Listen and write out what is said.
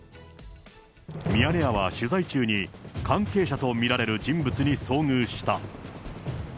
ミヤネ屋は取材中に、関係者と見られる人物に遭遇した。